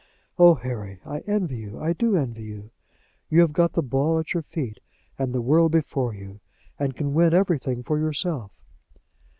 Oh, Harry, I envy you! I do envy you! You have got the ball at your feet, and the world before you, and can win everything for yourself."